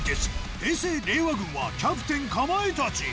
平成・令和軍はキャプテン、かまいたち。